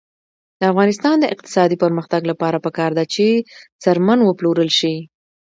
د افغانستان د اقتصادي پرمختګ لپاره پکار ده چې څرمن وپلورل شي.